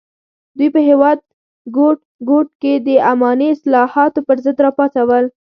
دوی په هېواد ګوټ ګوټ کې د اماني اصلاحاتو پر ضد راپاڅول.